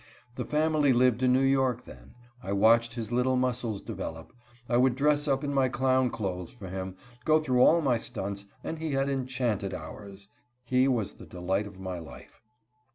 The family lived in New York then. I watched his little muscles develop. I would dress up in my clown clothes for him, go through all my stunts, and he had enchanted hours. He was the delight of my life.